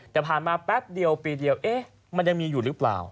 แต่ผ่านมาแป๊บเดียวปีเดียวเอ๊ะมันยังมีอยู่หรือเปล่า